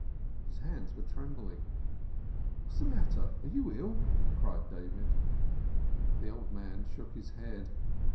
His hands were trembling. "What is the matter? You are ill," cried David. The old man shook his head.